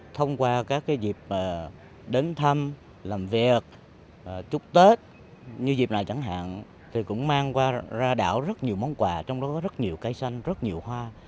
thông qua các dịp đến thăm làm việc chúc tết như dịp này chẳng hạn thì cũng mang qua ra đảo rất nhiều món quà trong đó có rất nhiều cây xanh rất nhiều hoa